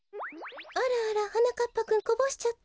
あらあらはなかっぱくんこぼしちゃった？